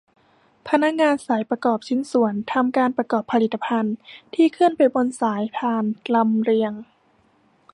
พนักงานสายประกอบชิ้นส่วน ทำการประกอบผลิตภัณฑ์ ที่เคลื่อนไปบนสายพานลำเลียง